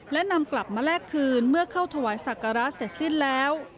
และนำกลับมาแลกคืนเมื่อเข้าถวายศักระเสร็จสิ้นแล้ว